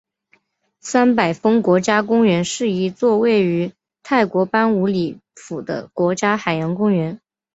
三百峰国家公园是一座位于泰国班武里府的国家海洋公园。